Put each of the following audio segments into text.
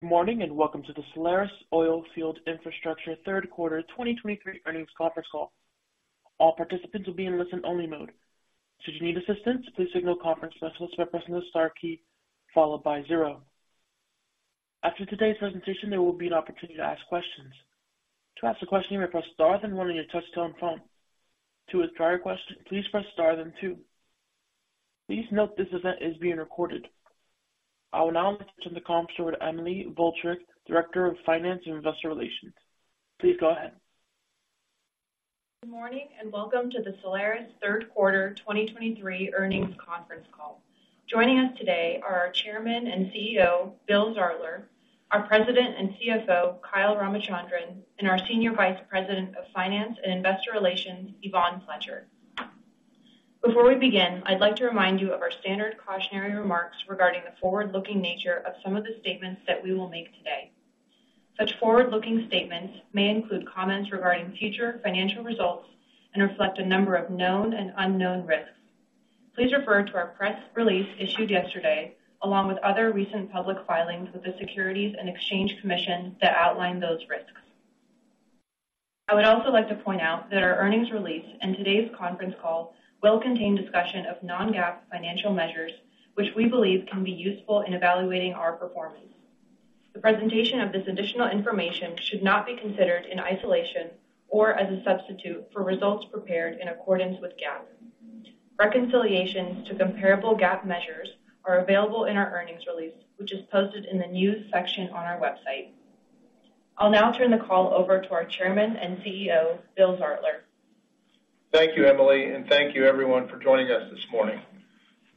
Good morning, and welcome to the Solaris Oilfield Infrastructure third quarter 2023 earnings conference call. All participants will be in listen-only mode. Should you need assistance, please signal conference specialists by pressing the star key followed by zero. After today's presentation, there will be an opportunity to ask questions. To ask a question, you may press star, then one on your touchtone phone. To withdraw your question, please press star, then two. Please note this event is being recorded. I will now turn the conference over to Emily Boltryk, Director of Finance and Investor Relations. Please go ahead. Good morning, and welcome to the Solaris third quarter 2023 earnings conference call. Joining us today are our Chairman and CEO, Bill Zartler, our President and CFO, Kyle Ramachandran, and our Senior Vice President of Finance and Investor Relations, Yvonne Fletcher. Before we begin, I'd like to remind you of our standard cautionary remarks regarding the forward-looking nature of some of the statements that we will make today. Such forward-looking statements may include comments regarding future financial results and reflect a number of known and unknown risks. Please refer to our press release issued yesterday, along with other recent public filings with the Securities and Exchange Commission that outline those risks. I would also like to point out that our earnings release and today's conference call will contain discussion of non-GAAP financial measures, which we believe can be useful in evaluating our performance. The presentation of this additional information should not be considered in isolation or as a substitute for results prepared in accordance with GAAP. Reconciliations to comparable GAAP measures are available in our earnings release, which is posted in the news section on our website. I'll now turn the call over to our Chairman and Chief Executive Officer, Bill Zartler. Thank you, Emily, and thank you everyone for joining us this morning.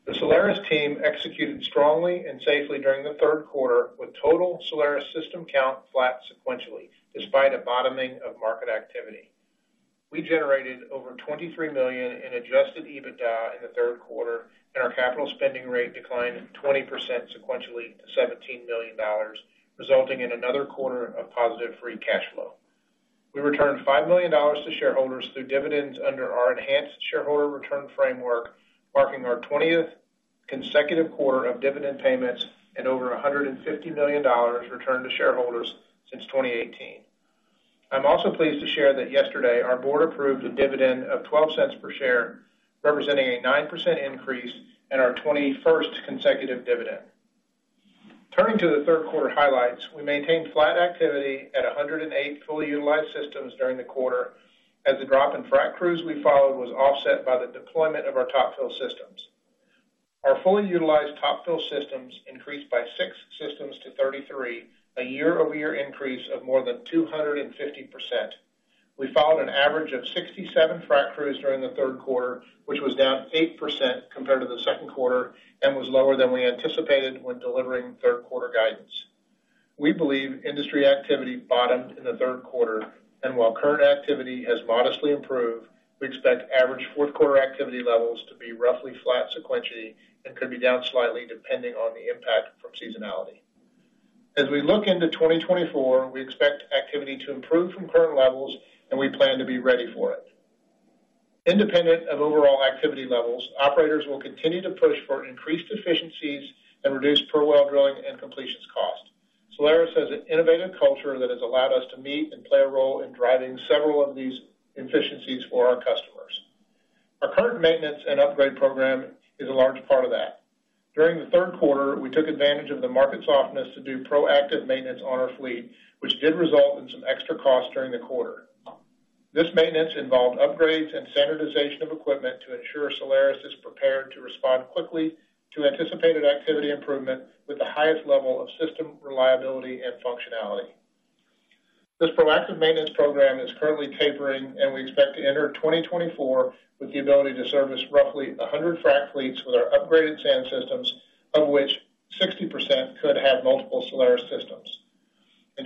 The Solaris team executed strongly and safely during the third quarter, with total Solaris system count flat sequentially, despite a bottoming of market activity. We generated over $23 million in Adjusted EBITDA in the third quarter, and our capital spending rate declined 20% sequentially to $17 million, resulting in another quarter of positive free cash flow. We returned $5 million to shareholders through dividends under our enhanced shareholder return framework, marking our 20th consecutive quarter of dividend payments and over $150 million returned to shareholders since 2018. I'm also pleased to share that yesterday, our board approved a dividend of $0.12 per share, representing a 9% increase and our 21st consecutive dividend. Turning to the third quarter highlights, we maintained flat activity at 108 fully utilized systems during the quarter, as the drop in frac crews we followed was offset by the deployment of our Top-Fill systems. Our fully utilized Top-Fill systems increased by six systems to 33, a year-over-year increase of more than 250%. We followed an average of 67 frac crews during the third quarter, which was down 8% compared to the second quarter and was lower than we anticipated when delivering third quarter guidance. We believe industry activity bottomed in the third quarter, and while current activity has modestly improved, we expect average fourth quarter activity levels to be roughly flat sequentially and could be down slightly, depending on the impact from seasonality. As we look into 2024, we expect activity to improve from current levels, and we plan to be ready for it. Independent of overall activity levels, operators will continue to push for increased efficiencies and reduce per well drilling and completions cost. Solaris has an innovative culture that has allowed us to meet and play a role in driving several of these efficiencies for our customers. Our current maintenance and upgrade program is a large part of that. During the third quarter, we took advantage of the market softness to do proactive maintenance on our fleet, which did result in some extra costs during the quarter. This maintenance involved upgrades and standardization of equipment to ensure Solaris is prepared to respond quickly to anticipated activity improvement with the highest level of system reliability and functionality. This proactive maintenance program is currently tapering, and we expect to enter 2024 with the ability to service roughly 100 frac fleets with our upgraded sand systems, of which 60% could have multiple Solaris systems.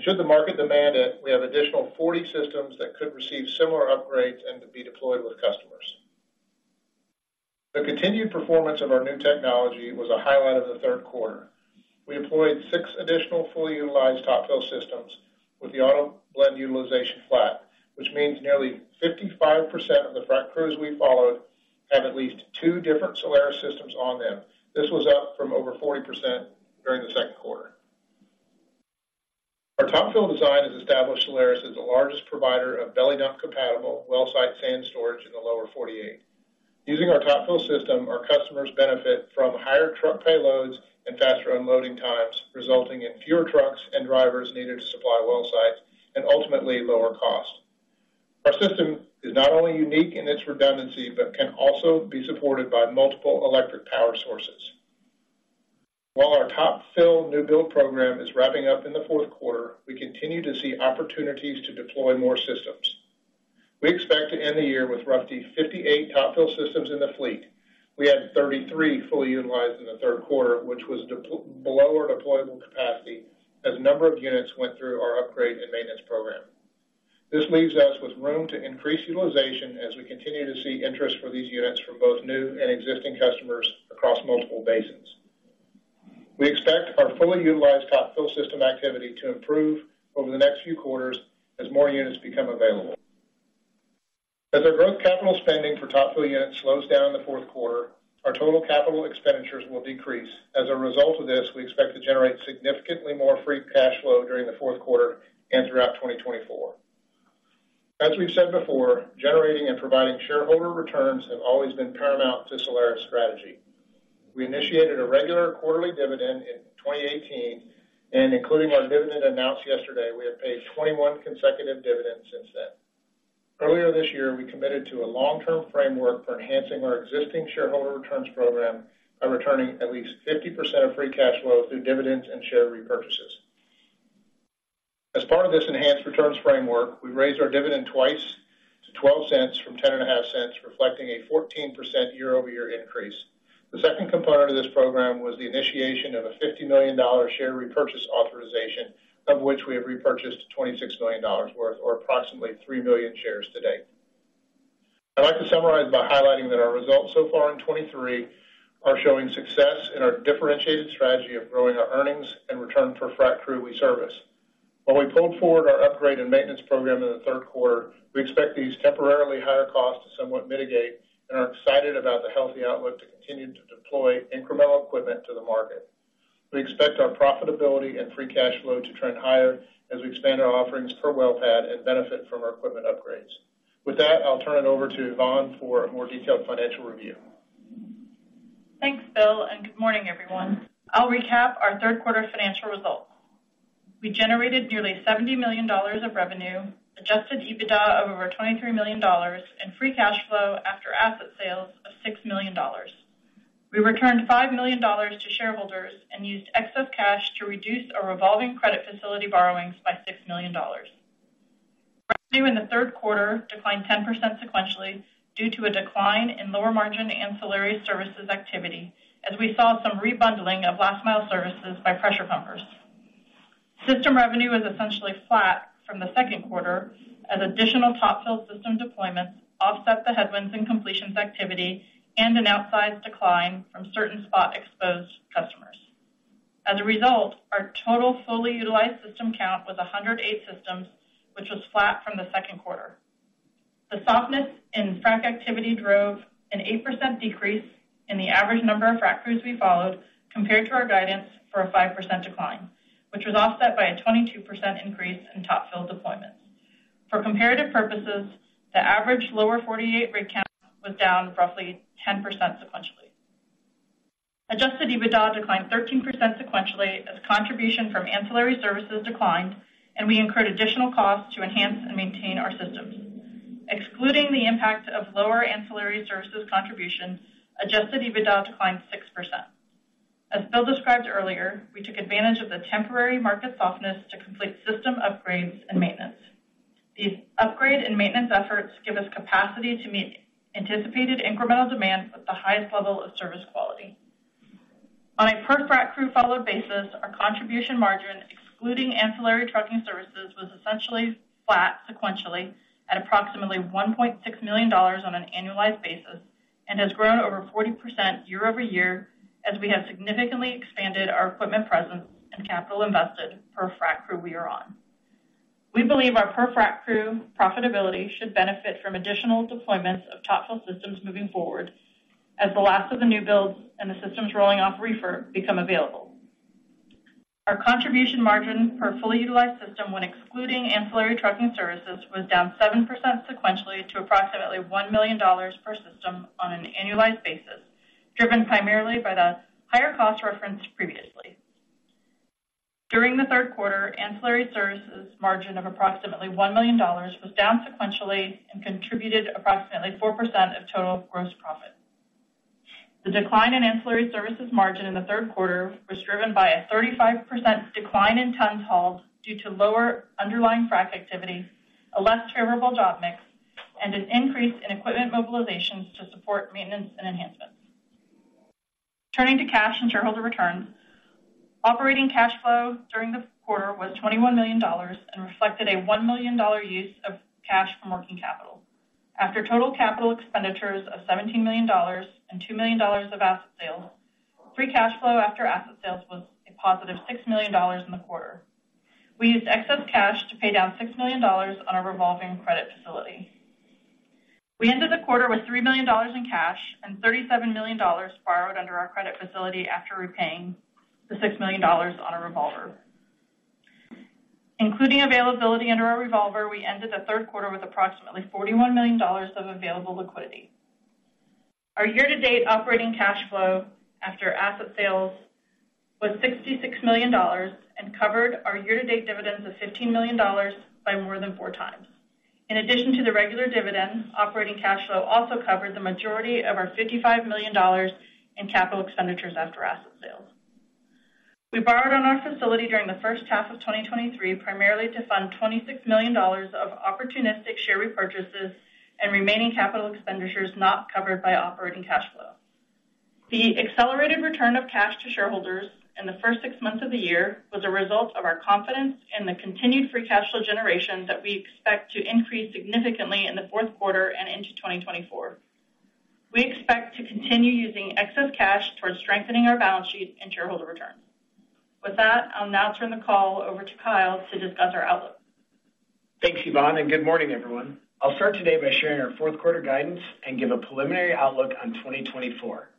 Should the market demand it, we have additional 40 systems that could receive similar upgrades and to be deployed with customers. The continued performance of our new technology was a highlight of the third quarter. We deployed six additional fully utilized Top-Fill systems, with the AutoBlend utilization flat, which means nearly 55% of the frac crews we followed have at least two different Solaris systems on them. This was up from over 40% during the second quarter. Our Top-Fill design has established Solaris as the largest provider of belly dump compatible well site sand storage in the Lower 48. Using our Top-Fill system, our customers benefit from higher truck payloads and faster unloading times, resulting in fewer trucks and drivers needed to supply well sites and ultimately lower cost. Our system is not only unique in its redundancy, but can also be supported by multiple electric power sources. While our Top-Fill new build program is wrapping up in the fourth quarter, we continue to see opportunities to deploy more systems. We expect to end the year with roughly 58 Top-Fill systems in the fleet. We had 33 fully utilized in the third quarter, which was well below our deployable capacity, as a number of units went through our upgrade and maintenance program. This leaves us with room to increase utilization as we continue to see interest for these units from both new and existing customers across multiple basins. We expect our fully utilized Top-Fill system activity to improve over the next few quarters as more units become available. As our growth capital spending for Top-Fill units slows down in the fourth quarter, our total capital expenditures will decrease. As a result of this, we expect to generate significantly more free cash flow during the fourth quarter and throughout 2024. As we've said before, generating and providing shareholder returns have always been paramount to Solaris's strategy. We initiated a regular quarterly dividend in 2018, and including our dividend announced yesterday, we have paid 21 consecutive dividends since then. Earlier this year, we committed to a long-term framework for enhancing our existing shareholder returns program by returning at least 50% of free cash flow through dividends and share repurchases. As part of this enhanced returns framework, we've raised our dividend twice to $0.12 from $0.105, reflecting a 14% year-over-year increase. The second component of this program was the initiation of a $50 million share repurchase authorization, of which we have repurchased $26 million worth, or approximately 3 million shares to date. I'd like to summarize by highlighting that our results so far in 2023 are showing success in our differentiated strategy of growing our earnings and return for frac crew we service. While we pulled forward our upgrade and maintenance program in the third quarter, we expect these temporarily higher costs to somewhat mitigate and are excited about the healthy outlook to continue to deploy incremental equipment to the market. We expect our profitability and Free Cash Flow to trend higher as we expand our offerings per well pad and benefit from our equipment upgrades. With that, I'll turn it over to Yvonne for a more detailed financial review. Thanks, Bill, and good morning, everyone. I'll recap our third quarter financial results. We generated nearly $70 million of revenue, Adjusted EBITDA of over $23 million, and Free Cash Flow after asset sales of $6 million. We returned $5 million to shareholders and used excess cash to reduce our revolving credit facility borrowings by $6 million. Revenue in the third quarter declined 10% sequentially due to a decline in lower margin ancillary services activity, as we saw some rebundling of last mile services by pressure pumpers. System revenue was essentially flat from the second quarter, as additional Top-Fill system deployments offset the headwinds in completions activity and an outsized decline from certain spot exposed customers. As a result, our total fully utilized system count was 108 systems, which was flat from the second quarter. The softness in frac activity drove an 8% decrease in the average number of frac crews we followed compared to our guidance for a 5% decline, which was offset by a 22% increase in Top-Fill deployments. For comparative purposes, the average Lower 48 rig count was down roughly 10% sequentially. Adjusted EBITDA declined 13% sequentially as contribution from ancillary services declined, and we incurred additional costs to enhance and maintain our systems. Excluding the impact of lower ancillary services contributions, Adjusted EBITDA declined 6%. As Bill described earlier, we took advantage of the temporary market softness to complete system upgrades and maintenance. These upgrade and maintenance efforts give us capacity to meet anticipated incremental demand with the highest level of service quality. On a per frac crew followed basis, our Contribution Margin, excluding ancillary trucking services, was essentially flat sequentially at approximately $1.6 million on an annualized basis, and has grown over 40% year-over-year, as we have significantly expanded our equipment presence and capital invested per frac crew we are on. We believe our per frac crew profitability should benefit from additional deployments of Top-Fill systems moving forward as the last of the new builds and the systems rolling off refer become available. Our Contribution Margin per fully utilized system, when excluding ancillary trucking services, was down 7% sequentially to approximately $1 million per system on an annualized basis, driven primarily by the higher cost referenced previously. During the third quarter, ancillary services margin of approximately $1 million was down sequentially and contributed approximately 4% of total gross profit. The decline in ancillary services margin in the third quarter was driven by a 35% decline in tons hauled due to lower underlying frac activity, a less favorable job mix, and an increase in equipment mobilizations to support maintenance and enhancements. Turning to cash and shareholder returns. Operating cash flow during the quarter was $21 million and reflected a $1 million use of cash from working capital. After total capital expenditures of $17 million and $2 million of asset sales, free cash flow after asset sales was a positive $6 million in the quarter. We used excess cash to pay down $6 million on our revolving credit facility. We ended the quarter with $3 million in cash and $37 million borrowed under our credit facility after repaying the $6 million on our revolver. Including availability under our revolver, we ended the third quarter with approximately $41 million of available liquidity. Our year-to-date operating cash flow after asset sales was $66 million and covered our year-to-date dividends of $15 million by more than 4x. In addition to the regular dividend, operating cash flow also covered the majority of our $55 million in capital expenditures after asset sales. We borrowed on our facility during the first half of 2023, primarily to fund $26 million of opportunistic share repurchases and remaining capital expenditures not covered by operating cash flow. The accelerated return of cash to shareholders in the first six months of the year was a result of our confidence in the continued free cash flow generation that we expect to increase significantly in the fourth quarter and into 2024. We expect to continue using excess cash towards strengthening our balance sheet and shareholder returns. With that, I'll now turn the call over to Kyle to discuss our outlook. Thanks, Yvonne, and good morning, everyone. I'll start today by sharing our fourth quarter guidance and give a preliminary outlook on 2024.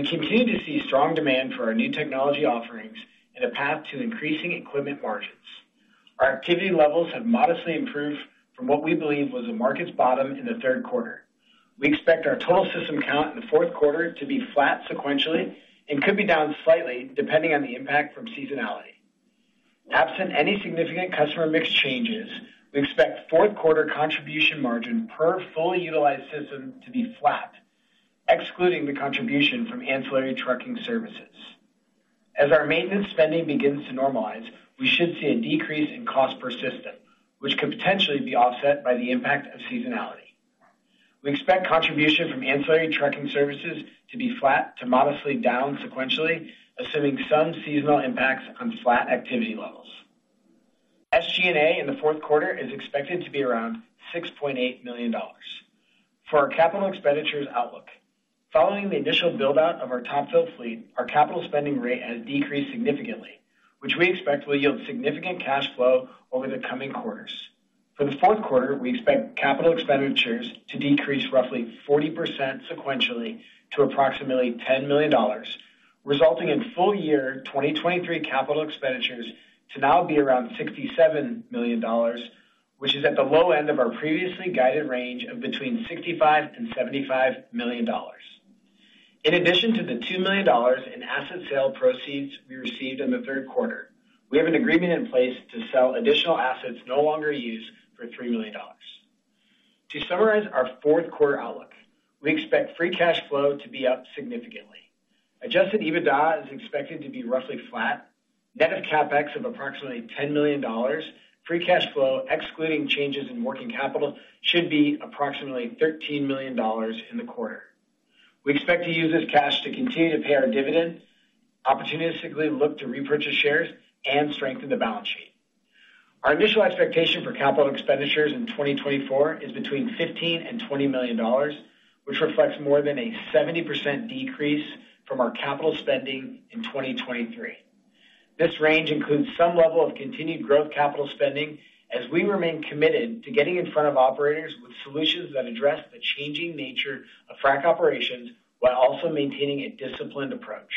We continue to see strong demand for our new technology offerings and a path to increasing equipment margins. Our activity levels have modestly improved from what we believe was the market's bottom in the third quarter. We expect our total system count in the fourth quarter to be flat sequentially and could be down slightly, depending on the impact from seasonality. Absent any significant customer mix changes, we expect fourth quarter contribution margin per fully utilized system to be flat, excluding the contribution from ancillary trucking services. As our maintenance spending begins to normalize, we should see a decrease in cost per system, which could potentially be offset by the impact of seasonality. We expect contribution from ancillary trucking services to be flat to modestly down sequentially, assuming some seasonal impacts on flat activity levels. SG&A in the fourth quarter is expected to be around $6.8 million. For our capital expenditures outlook, following the initial build-out of our Top-Fill fleet, our capital spending rate has decreased significantly, which we expect will yield significant cash flow over the coming quarters. For the fourth quarter, we expect capital expenditures to decrease roughly 40% sequentially to approximately $10 million, resulting in full year 2023 capital expenditures to now be around $67 million, which is at the low end of our previously guided range of between $65 million and $75 million. In addition to the $2 million in asset sale proceeds we received in the third quarter, we have an agreement in place to sell additional assets no longer used for $3 million. To summarize our fourth quarter outlook, we expect free cash flow to be up significantly. Adjusted EBITDA is expected to be roughly flat, net of CapEx of approximately $10 million. Free cash flow, excluding changes in working capital, should be approximately $13 million in the quarter. We expect to use this cash to continue to pay our dividend, opportunistically look to repurchase shares, and strengthen the balance sheet. Our initial expectation for capital expenditures in 2024 is between $15 million and $20 million, which reflects more than a 70% decrease from our capital spending in 2023. This range includes some level of continued growth capital spending, as we remain committed to getting in front of operators with solutions that address the changing nature of frac operations, while also maintaining a disciplined approach.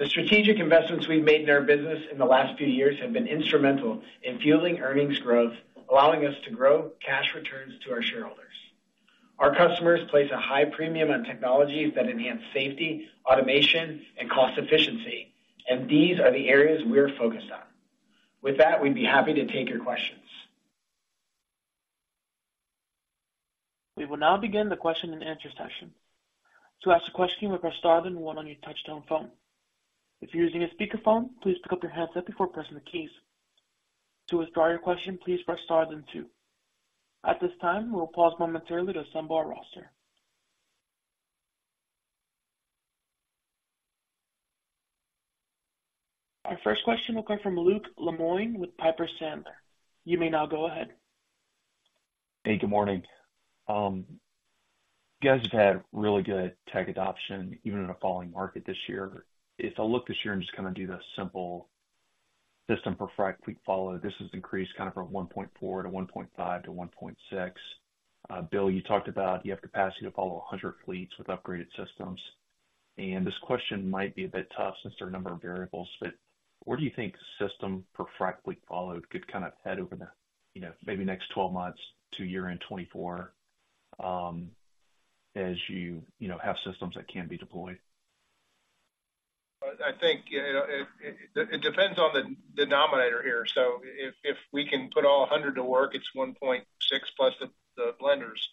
The strategic investments we've made in our business in the last few years have been instrumental in fueling earnings growth, allowing us to grow cash returns to our shareholders. Our customers place a high premium on technologies that enhance safety, automation, and cost efficiency, and these are the areas we're focused on. With that, we'd be happy to take your questions. We will now begin the question and answer session. To ask a question, press star then one on your touch-tone phone. If you're using a speakerphone, please pick up your handset before pressing the keys. To withdraw your question, please press star then two. At this time, we'll pause momentarily to assemble our roster. Our first question will come from Luke Lemoine with Piper Sandler. You may now go ahead. Hey, good morning. You guys have had really good tech adoption, even in a falling market this year. If I look this year and just kinda do the simple system per frac fleet ratio, this has increased kind of from 1.4 to 1.5 to 1.6. Bill, you talked about you have capacity to follow 100 fleets with upgraded systems, and this question might be a bit tough since there are a number of variables, but where do you think system per frac fleet ratio could kind of head over the, you know, maybe next 12 months to year-end 2024, as you, you know, have systems that can be deployed? I think, you know, it depends on the denominator here. If we can put all 100 to work, it's 1.6+ the blenders.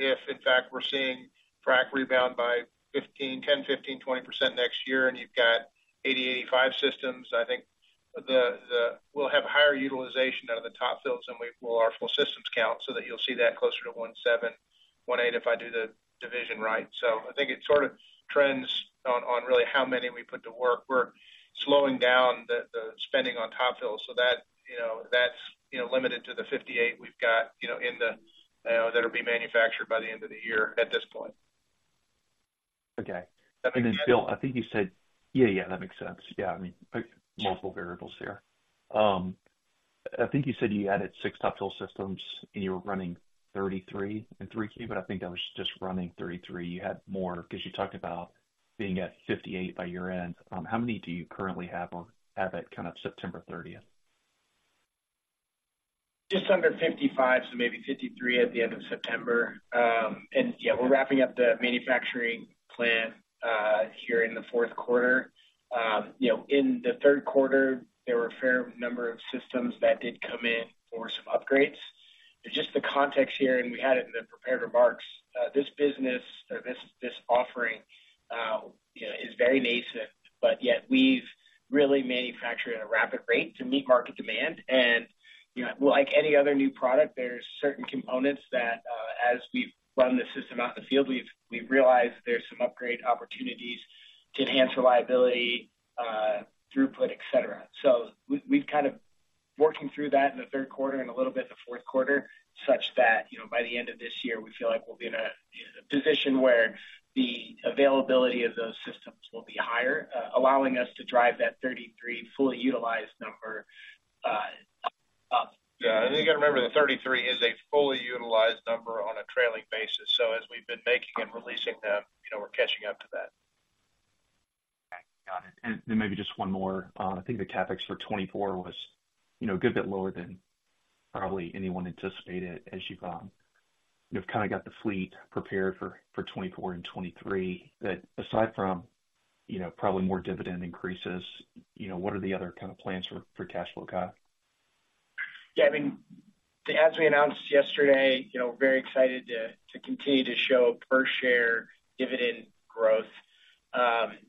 If, in fact, we're seeing frac rebound by 15%, 10%, 15%, 20% next year, and you've got 80, 85 systems, I think we'll have a higher utilization out of the Top-Fill than we will our full systems count, so that you'll see that closer to 1.7, 1.8, if I do the division right. I think it sort of trends on, on really how many we put to work. We're slowing down the spending on Top-Fill, so that, you know, that's limited to the 58 we've got, you know, that'll be manufactured by the end of the year at this point. Okay. That make sense? And then, Bill, I think you said... Yeah, yeah, that makes sense. Yeah, I mean, multiple variables here. I think you said you added six Top-Fill systems, and you were running 33 in 3Q, but I think that was just running 33. You had more because you talked about being at 58 by year-end. How many do you currently have at kind of September 30th? Just under 55, so maybe 53 at the end of September. Yeah, we're wrapping up the manufacturing plan here in the fourth quarter. You know, in the third quarter, there were a fair number of systems that did come in for some upgrades. Just the context here, and we had it in the prepared remarks. This business, this offering, you know, is very nascent, but yet we've really manufactured at a rapid rate to meet market demand. And, you know, like any other new product, there's certain components that, as we've run the system out in the field, we've realized there's some upgrade opportunities to enhance reliability, throughput, et cetera. So we've kind of- working through that in the third quarter and a little bit in the fourth quarter, such that, you know, by the end of this year, we feel like we'll be in a position where the availability of those systems will be higher, allowing us to drive that 33 fully utilized number up. Yeah. And you got to remember, the 33 is a fully utilized number on a trailing basis. So as we've been making and releasing them, you know, we're catching up to that. Okay, got it. And then maybe just one more. I think the CapEx for 2024 was, you know, a good bit lower than probably anyone anticipated as you, you've kinda got the fleet prepared for 2024 and 2023. That aside from, you know, probably more dividend increases, you know, what are the other kind of plans for cash flow, Kyle? Yeah, I mean, as we announced yesterday, you know, we're very excited to continue to show per share dividend growth.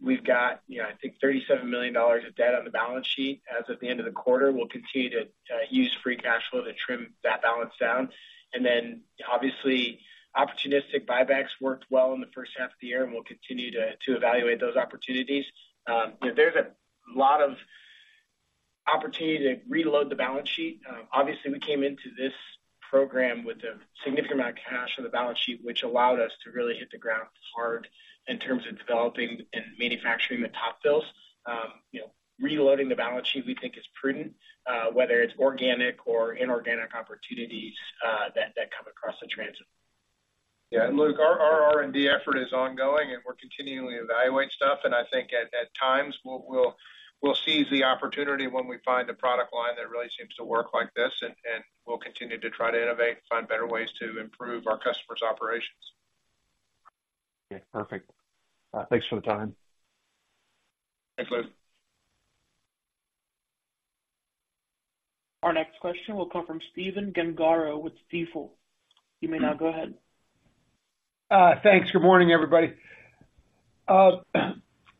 We've got, you know, I think $37 million of debt on the balance sheet as of the end of the quarter. We'll continue to use Free Cash Flow to trim that balance down. And then, obviously, opportunistic buybacks worked well in the first half of the year, and we'll continue to evaluate those opportunities. You know, there's a lot of opportunity to reload the balance sheet. Obviously, we came into this program with a significant amount of cash on the balance sheet, which allowed us to really hit the ground hard in terms of developing and manufacturing the Top-Fill. You know, reloading the balance sheet, we think, is prudent, whether it's organic or inorganic opportunities that come across the transom. Yeah, and Luke, our R&D effort is ongoing, and we're continually evaluating stuff, and I think at times we'll seize the opportunity when we find a product line that really seems to work like this, and we'll continue to try to innovate and find better ways to improve our customers' operations. Okay, perfect. Thanks for the time. Thanks, Luke. Our next question will come from Stephen Gengaro with Stifel. You may now go ahead. Thanks. Good morning, everybody.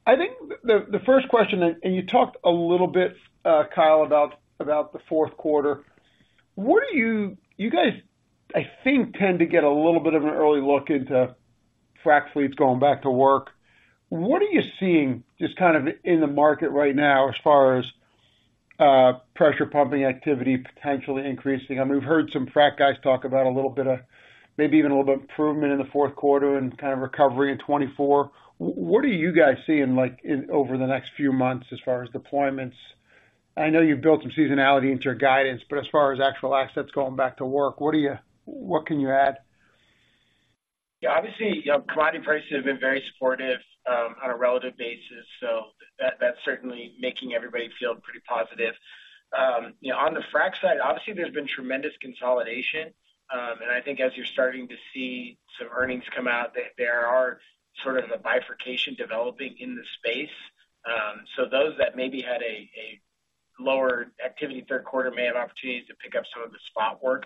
I think the first question, and you talked a little bit, Kyle, about the fourth quarter. What are you guys, I think, tend to get a little bit of an early look into frac fleets going back to work. What are you seeing just kind of in the market right now as far as pressure pumping activity potentially increasing? I mean, we've heard some frac guys talk about a little bit of, maybe even a little bit of improvement in the fourth quarter and kind of recovery in 2024. What are you guys seeing, like, in over the next few months as far as deployments? I know you've built some seasonality into your guidance, but as far as actual assets going back to work, what are you, what can you add? Yeah, obviously, you know, commodity prices have been very supportive on a relative basis, so that, that's certainly making everybody feel pretty positive. You know, on the frac side, obviously, there's been tremendous consolidation, and I think as you're starting to see some earnings come out, that there are sort of a bifurcation developing in the space. So those that maybe had a lower activity third quarter may have opportunities to pick up some of the spot work,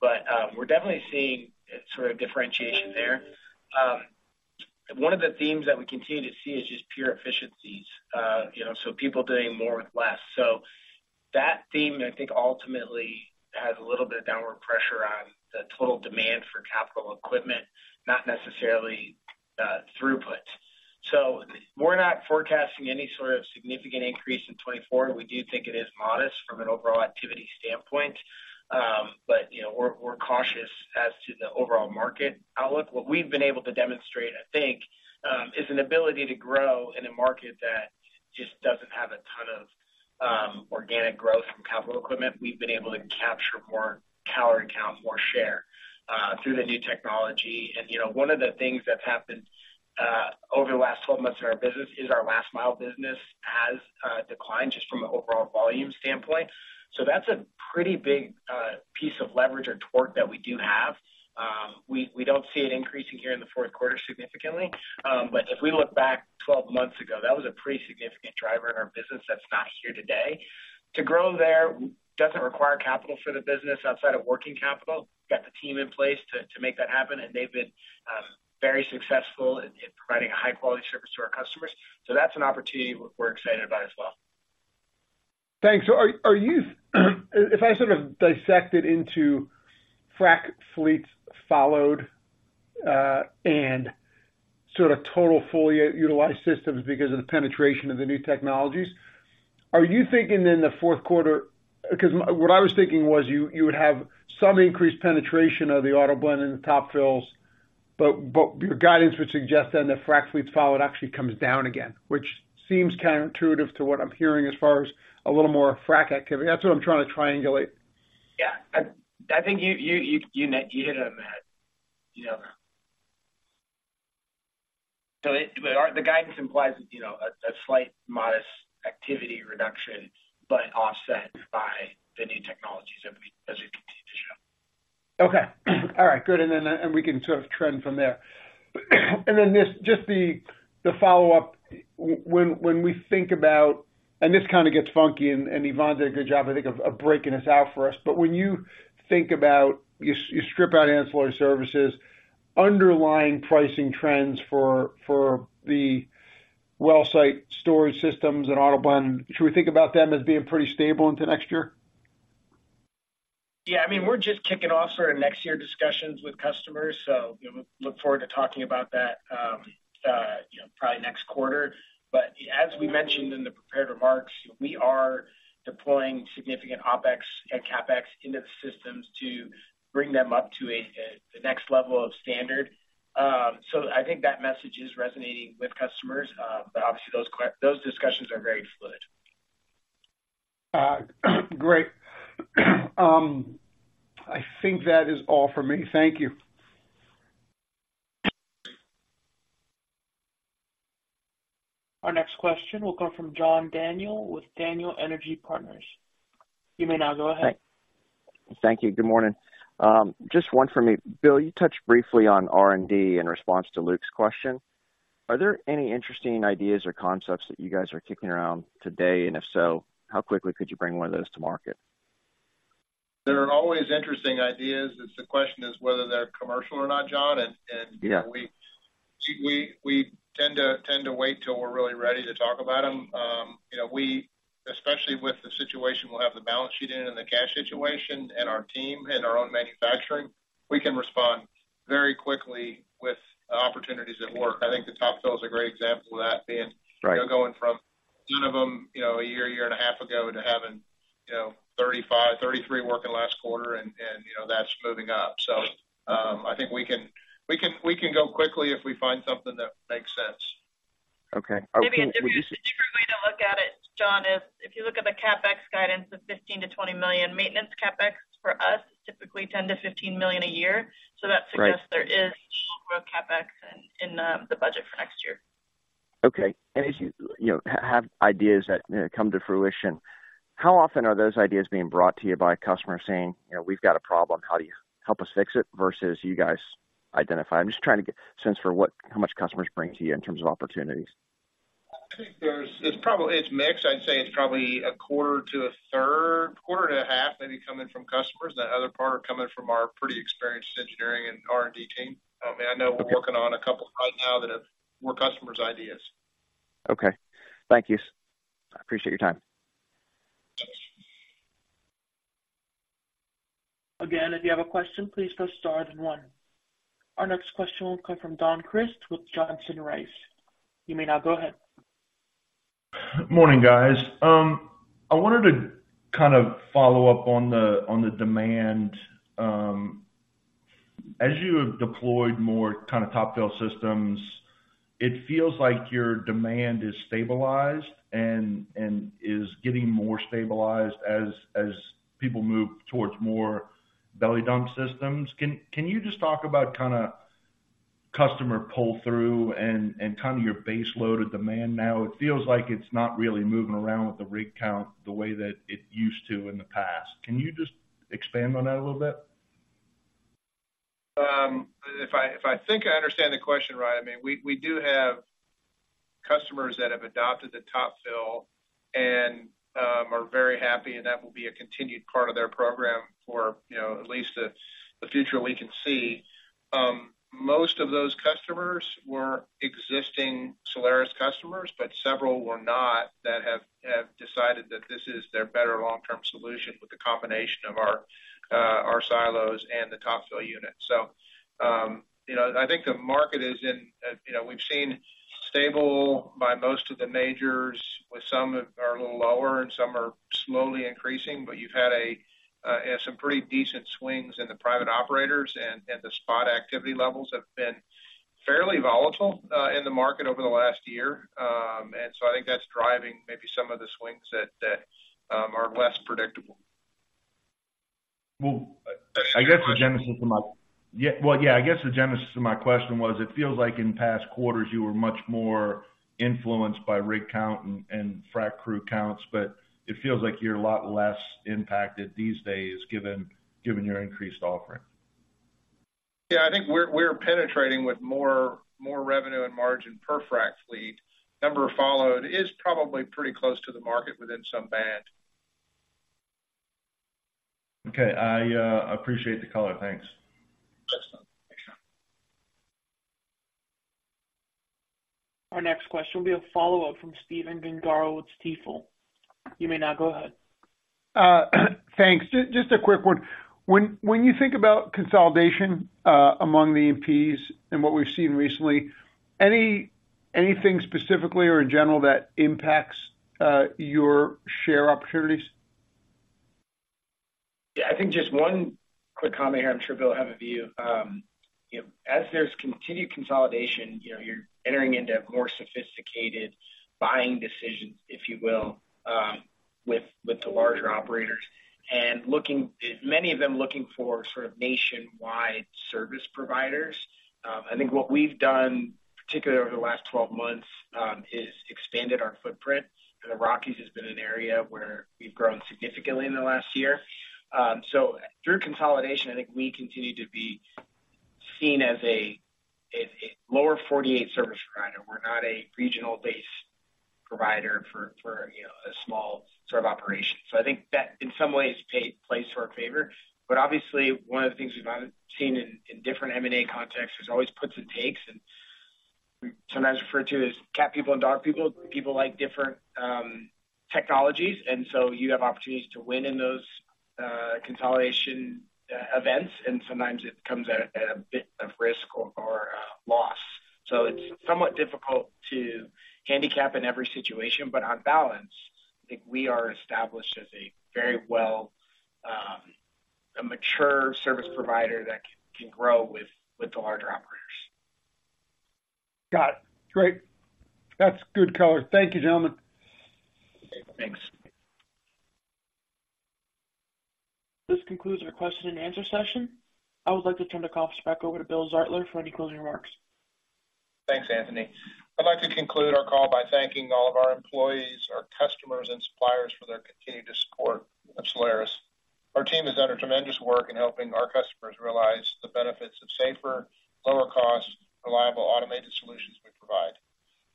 but we're definitely seeing sort of differentiation there. One of the themes that we continue to see is just pure efficiencies, you know, so people doing more with less. So that theme, I think, ultimately has a little bit of downward pressure on the total demand for capital equipment, not necessarily throughput. So we're not forecasting any sort of significant increase in 2024. We do think it is modest from an overall activity standpoint, but, you know, we're, we're cautious as to the overall market outlook. What we've been able to demonstrate, I think, is an ability to grow in a market that just doesn't have a ton of organic growth and capital equipment. We've been able to capture more rig count, more share, through the new technology. And, you know, one of the things that's happened over the last 12 months in our business is our last mile business has declined just from an overall volume standpoint. So that's a pretty big piece of leverage or torque that we do have. We don't see it increasing here in the fourth quarter significantly, but if we look back 12 months ago, that was a pretty significant driver in our business that's not here today. To grow there, doesn't require capital for the business outside of working capital. Got the team in place to make that happen, and they've been very successful in providing a high-quality service to our customers. So that's an opportunity we're excited about as well. Thanks. So are you, if I sort of dissect it into frac fleets followed and sort of total fully utilized systems because of the penetration of the new technologies, are you thinking in the fourth quarter—because what I was thinking was you would have some increased penetration of the AutoBlend and the Top-Fill, but your guidance would suggest then the frac fleets followed actually comes down again, which seems counterintuitive to what I'm hearing as far as a little more frac activity. That's what I'm trying to triangulate. Yeah. I think you hit it on the head. You know. But our guidance implies, you know, a slight modest activity reduction, but offset by the new technologies that we as we continue to show. Okay. All right, good, and then, and we can sort of trend from there. And then just the follow-up, when we think about... And this kind of gets funky, and Yvonne did a good job, I think, of breaking this out for us. But when you think about, you strip out ancillary services, underlying pricing trends for the well site storage systems and AutoBlend, should we think about them as being pretty stable into next year? Yeah, I mean, we're just kicking off sort of next year discussions with customers, so, you know, we look forward to talking about that, you know, probably next quarter. But as we mentioned in the prepared remarks, we are deploying significant OpEx and CapEx into the systems to bring them up to a, the next level of standard. So I think that message is resonating with customers, but obviously, those discussions are very fluid. Great. I think that is all for me. Thank you. Our next question will come from John Daniel with Daniel Energy Partners. You may now go ahead. Thank you. Good morning. Just one for me. Bill, you touched briefly on R&D in response to Luke's question. Are there any interesting ideas or concepts that you guys are kicking around today? And if so, how quickly could you bring one of those to market? There are always interesting ideas. It's the question whether they're commercial or not, John. Yeah. We tend to wait till we're really ready to talk about them. You know, we, especially with the situation we'll have the balance sheet in and the cash situation and our team and our own manufacturing, we can respond very quickly with opportunities at work. I think the Top-Fill is a great example of that being- Right. going from none of them, you know, a year, year and a half ago, to having, you know, 35—33 working last quarter, and, you know, that's moving up. So, I think we can go quickly if we find something that makes sense. Okay. Can you just- Maybe a different way to look at it, John, is if you look at the CapEx guidance of $15 million-$20 million, maintenance CapEx for us, typically $10 million-$15 million a year. Right. So that suggests there is more CapEx in the budget for next year. Okay. And as you, you know, have ideas that come to fruition, how often are those ideas being brought to you by a customer saying, "You know, we've got a problem, how do you help us fix it?" Versus you guys identify. I'm just trying to get a sense for what—how much customers bring to you in terms of opportunities. I think there's, it's probably, it's mixed. I'd say it's probably a quarter to a third, quarter and a half, maybe coming from customers, and the other part are coming from our pretty experienced engineering and R&D team. I know we're working on a couple right now that have more customers' ideas. Okay. Thank you. I appreciate your time. Again, if you have a question, please press star then one. Our next question will come from Don Crist with Johnson Rice. You may now go ahead. Morning, guys. I wanted to kind of follow up on the, on the demand. As you have deployed more kinda Top-Fill systems, it feels like your demand is stabilized and, and is getting more stabilized as, as people move towards more belly dump systems. Can, can you just talk about kinda customer pull-through and, and kinda your base load of demand now? It feels like it's not really moving around with the rig count the way that it used to in the past. Can you just expand on that a little bit? If I think I understand the question right, I mean, we do have customers that have adopted the Top-Fill and are very happy, and that will be a continued part of their program for, you know, at least the future we can see. Most of those customers were existing Solaris customers, but several were not, that have decided that this is their better long-term solution with the combination of our silos and the Top-Fill unit. So, you know, I think the market is in, you know, we've seen stable by most of the majors, with some are a little lower and some are slowly increasing, but you've had some pretty decent swings in the private operators, and the spot activity levels have been fairly volatile in the market over the last year. And so I think that's driving maybe some of the swings that are less predictable. Well, yeah, I guess the genesis of my question was, it feels like in past quarters, you were much more influenced by rig count and frac crew counts, but it feels like you're a lot less impacted these days, given your increased offering. Yeah, I think we're penetrating with more revenue and margin per frac fleet. Number of followed is probably pretty close to the market within some band. Okay. I appreciate the color. Thanks. Yes, sir. Our next question will be a follow-up from Stephen Gengaro with Stifel. You may now go ahead. Thanks. Just a quick one. When you think about consolidation among the E&Ps and what we've seen recently, anything specifically or in general that impacts your share opportunities? Yeah, I think just one quick comment here, I'm sure Bill will have a view. You know, as there's continued consolidation, you're entering into more sophisticated buying decisions, if you will, with the larger operators, and looking—many of them looking for sort of nationwide service providers. I think what we've done, particularly over the last 12 months, is expanded our footprint. The Rockies has been an area where we've grown significantly in the last year. Through consolidation, I think we continue to be seen as a lower 48 service provider. We're not a regional-based provider for, you know, a small sort of operation. I think that in some ways, plays to our favor. But obviously, one of the things we've seen in different M&A contexts, there's always puts and takes, and sometimes referred to as cat people and dog people. People like different technologies, and so you have opportunities to win in those consolidation events, and sometimes it comes at a bit of risk or loss. So it's somewhat difficult to handicap in every situation, but on balance, I think we are established as a very well a mature service provider that can grow with the larger operators. Got it. Great. That's good color. Thank you, gentlemen. Thanks. This concludes our question and answer session. I would like to turn the conference back over to Bill Zartler for any closing remarks. Thanks, Anthony. I'd like to conclude our call by thanking all of our employees, our customers, and suppliers for their continued support of Solaris. Our team has done a tremendous work in helping our customers realize the benefits of safer, lower cost, reliable, automated solutions we provide.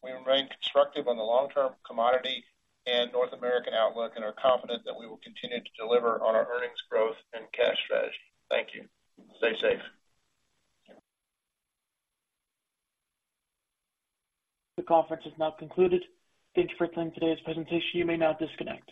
We remain constructive on the long-term commodity and North American outlook, and are confident that we will continue to deliver on our earnings growth and cash strategy. Thank you. Stay safe. The conference is now concluded. Thank you for attending today's presentation. You may now disconnect.